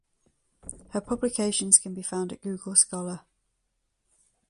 Her publications can be found at Google Scholar.